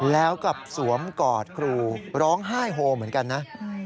แล้วกับสวมกอดครูร้องไห้โฮเหมือนกันนะ